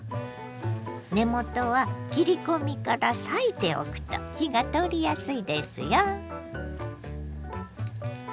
根元は切り込みから裂いておくと火が通りやすいですよ。